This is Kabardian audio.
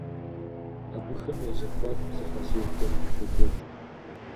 Абыхэм я зэхуаку зэхьэзэхуэ щокӏуэкӏ.